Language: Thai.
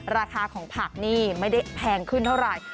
ราคาของผักนี่ไม่ได้แพงขึ้นเท่าไหร่